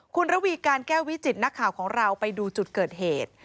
คุณระวีการแก้ววิจิตรนักข่าวของเราไปดูจุดเกิดเหตุ